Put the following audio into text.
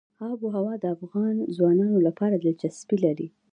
آب وهوا د افغان ځوانانو لپاره دلچسپي لري.